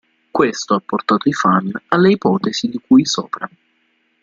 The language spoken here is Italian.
Questo ha portato i fan alle ipotesi di cui sopra.